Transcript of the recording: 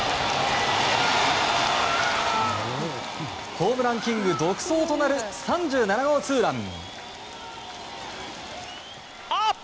ホームランキング独走となる３７号ツーラン。